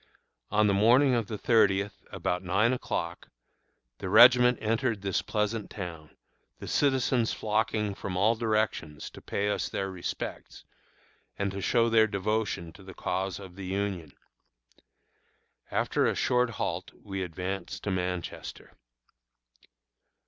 On the morning of the thirtieth, about nine o'clock, the regiment entered this pleasant town, the citizens flocking from all directions to pay us their respects, and to show their devotion to the cause of the Union. After a short halt we advanced to Manchester.